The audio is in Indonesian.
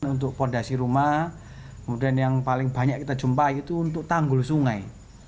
untuk fondasi rumah kemudian yang paling banyak kita jumpai itu untuk tanggul sungai